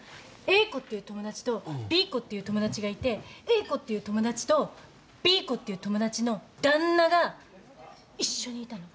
Ａ子っていう友達とＢ子っていう友達がいてＡ子っていう友達とＢ子っていう友達の旦那が一緒にいたの。